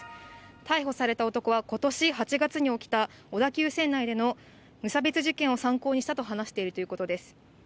逮捕された男は、ことし８月に起きた小田急線内での無差別事件を参考にしたと話しているということです。